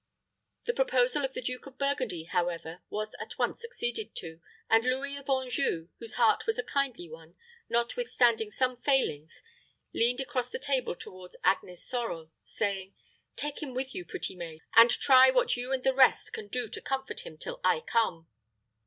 The proposal of the Duke of Burgundy, however, was at once acceded to; and Louis of Anjou, whose heart was a kindly one, notwithstanding some failings, leaned across the table toward Agnes Sorel, saying, "Take him with you, pretty maid, and try what you and the rest can do to comfort him till I come."